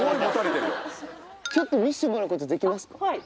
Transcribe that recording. ちょっと見せてもらうことできますか？